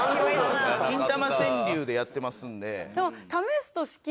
キンタマ川柳でやってますんで。